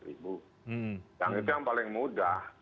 itu yang paling mudah